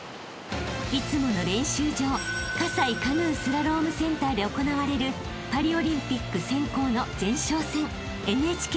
［いつもの練習場西カヌー・スラロームセンターで行われるパリオリンピック選考の前哨戦］